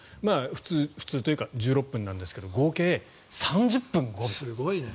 普通は１６分なんですが合計３０分５秒。